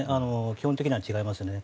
基本的には違いますね。